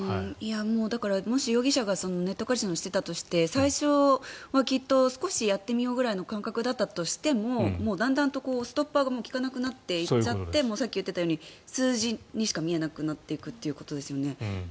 だからもし、容疑者がネットカジノをしていたとして最初はきっと少しやってみようぐらいの感覚だったとしてもだんだんとストッパーが利かなくなってさっき言っていたように数字にしか見えなくなっていくということですよね。